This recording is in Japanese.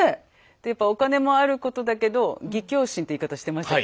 やっぱお金もあることだけど義きょう心って言い方してましたっけ。